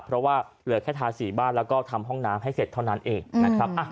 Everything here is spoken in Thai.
เพราะว่าเหลือแค่ทาสีบ้านแล้วก็ทำห้องน้ำให้เสร็จเท่านั้นเองนะครับ